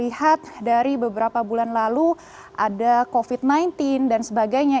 lihat dari beberapa bulan lalu ada covid sembilan belas dan sebagainya